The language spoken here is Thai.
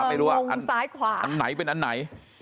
ตรงซ้ายขวาอันไหนเป็นอันไหน